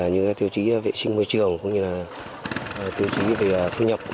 những tiêu chí vệ sinh môi trường cũng như là tiêu chí về thu nhập